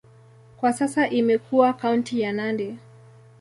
Kwa sasa imekuwa kaunti ya Nandi.